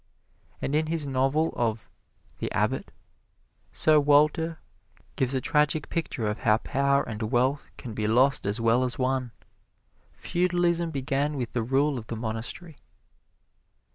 And in his novel of "The Abbot," Sir Walter gives a tragic picture of how power and wealth can be lost as well as won. Feudalism began with the rule of the monastery.